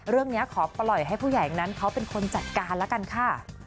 เรื่องนี้ขอปล่อยให้ผู้ใหญ่นั้นเขาเป็นคนจัดการแล้วกันค่ะ